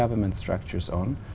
và những gì thực hiện